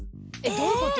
どういうこと？